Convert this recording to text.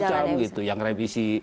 ada jalan jalan remisi